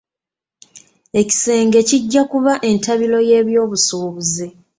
Ekisenge kijja kuba entabiro y'ebyobusuubuzi.